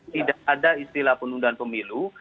tidak ada istilah penundaan pemilu